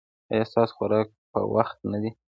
ایا ستاسو خوراک په وخت نه دی؟